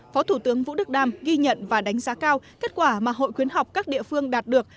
phó thủ tướng vũ đức đam ghi nhận và đánh giá cao kết quả mà hội khuyến học các địa phương đạt được